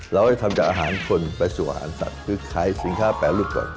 เราจะทำจากอาหารชนไปสู่อาหารสัตว์คือขายสินค้าแปรรูปก่อน